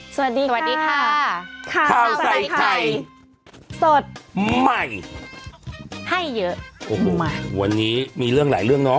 สวัสดีค่ะข้าวใส่ไข่สดใหม่ให้เยอะโอ้โหมาวันนี้มีเรื่องหลายเรื่องเนาะ